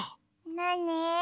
なに？